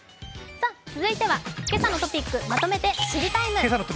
続いては、「けさのトピックまとめて知りＴＩＭＥ，」。